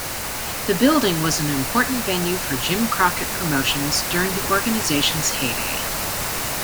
The building was an important venue for Jim Crockett Promotions during the organization's heyday.